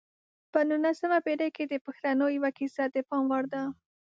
په نولسمه پېړۍ کې د پښتنو یوه کیسه د پام وړ ده.